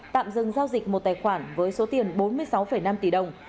tạm dừng giao dịch một tài khoản với số tiền bốn mươi sáu năm tỷ đồng